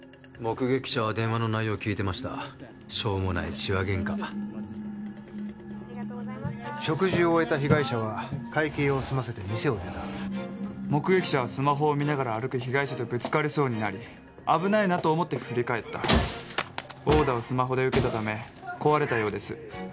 目撃者は電話の内容を聞いてましたしょうもない痴話ゲンカ食事を終えた被害者は会計を済ませて店を出た目撃者はスマホを見ながら歩く被害者とぶつかりそうになり危ないなと思って振り返った殴打をスマホで受けたため壊れたようです